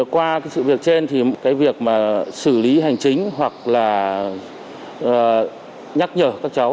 qua sự việc trên cái việc xử lý hành chính hoặc là nhắc nhở các cháu